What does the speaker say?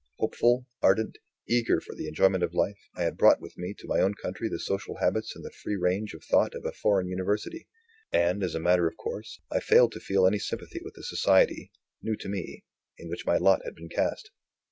Hopeful, ardent, eager for the enjoyment of life, I had brought with me to my own country the social habits and the free range of thought of a foreign University; and, as a matter of course, I failed to feel any sympathy with the society new to me in which my lot had been cast.